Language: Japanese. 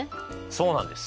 そうなんです。